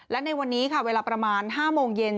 และในวันนี้ค่ะเวลาประมาณ๕โมงเย็น